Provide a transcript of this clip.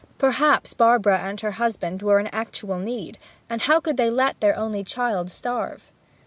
Perhaps Barbara and her husband were in actual need; and how could they let their only child starve?